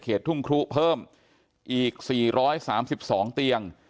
ทุ่งครุเพิ่มอีก๔๓๒เตียง